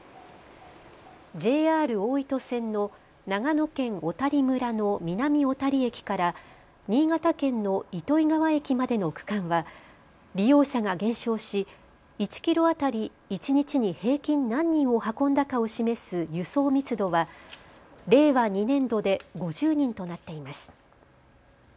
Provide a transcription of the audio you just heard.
ＪＲ大糸線の長野県小谷村の南小谷駅から新潟県の糸魚川駅までの区間は利用者が減少し１キロ当たり一日に平均何人を運んだかを示す輸送密度は令和２年度で５０人となっています。